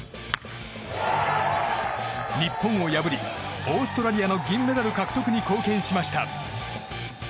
日本を破り、オーストラリアの銀メダル獲得に貢献しました。